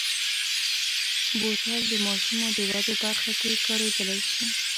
بوتل د ماشومو د ودې برخه کې کارېدلی شي.